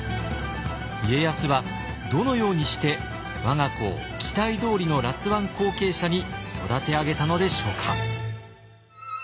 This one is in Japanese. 家康はどのようにして我が子を期待どおりの辣腕後継者に育て上げたのでしょうか。